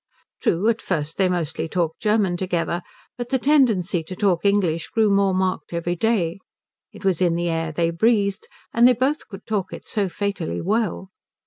True, at first they mostly talked German together, but the tendency to talk English grew more marked every day; it was in the air they breathed, and they both could talk it so fatally well.